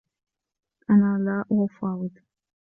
أنا لا أفاوض.